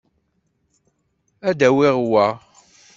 Ad awiɣ wa.